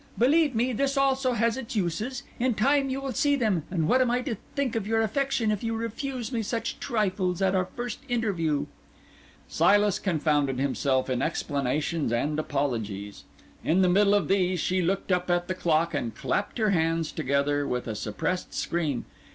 "Believe me, this also has its uses; in time you will see them; and what am I to think of your affection, if you refuse me such trifles at our first interview?" Silas confounded himself in explanations and apologies; in the middle of these she looked up at the clock and clapped her hands together with a suppressed scream.